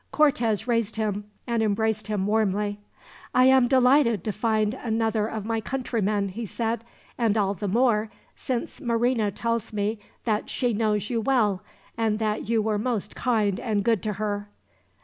Cortez raised him, and embraced him warmly. "I am delighted to find another of my countrymen," he said; "and all the more, since Marina tells me that she knows you well, and that you were most kind and good to her."